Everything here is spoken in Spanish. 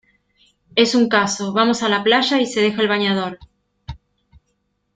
Es un caso, vamos a la playa y se deja el bañador.